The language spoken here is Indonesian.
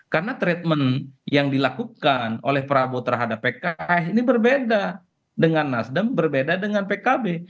karena treatment yang dilakukan oleh prabowo terhadap pks ini berbeda dengan nasdem berbeda dengan pkb